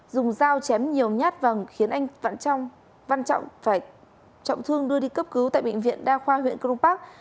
dùng dao chém nhiều nhát và khiến anh văn trọng phải trọng thương đưa đi cấp cứu tại bệnh viện đa khoa huyện cron park